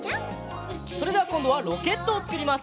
それではこんどはロケットをつくります。